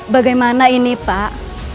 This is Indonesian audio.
bagaimana ini pak